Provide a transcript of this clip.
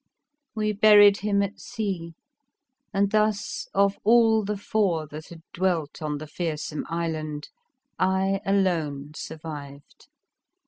We buried him at sea, and thus, of all the four that had dwelt on the Fearsome Island, I alone sur vived.